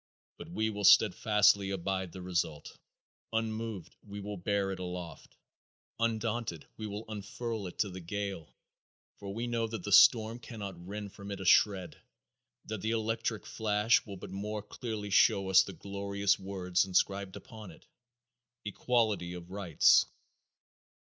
But we will steadfastly abide the result. Unmoved we will bear it aloft. Undauntedly we will unfurl it to the gale, for we know that the storm cannot rend from it a shred, that the electric flash will but more clearly show to us the glorious words inscribed upon it: 'Equality of Rights.'"